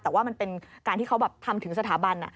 แต่ว่ามันเป็นการที่เขาแบบทำถึงสถาบัน